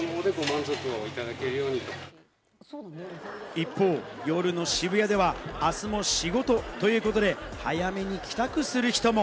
一方、夜の渋谷では明日も仕事ということで、早めに帰宅する人も。